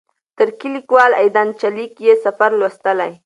ترکی لیکوال ایدان چیلیک یې سفر لوستلی.